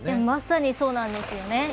まさにそうなんですよね。